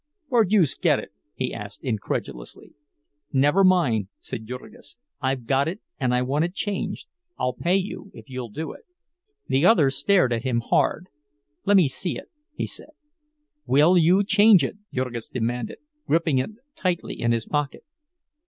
"Where'd youse get it?" he inquired incredulously. "Never mind," said Jurgis; "I've got it, and I want it changed. I'll pay you if you'll do it." The other stared at him hard. "Lemme see it," he said. "Will you change it?" Jurgis demanded, gripping it tightly in his pocket.